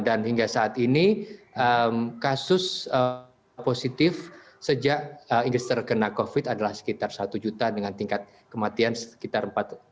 dan hingga saat ini kasus positif sejak inggris terkena covid adalah sekitar satu juta dengan tingkat kematian sekitar empat puluh enam